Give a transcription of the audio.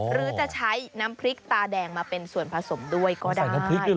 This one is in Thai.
หรือจะใช้น้ำพริกตาแดงมาเป็นส่วนผสมด้วยก็ได้